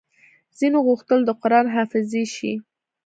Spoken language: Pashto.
ځينو غوښتل د قران حافظې شي